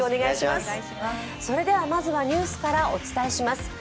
まずはニュースからお伝えします。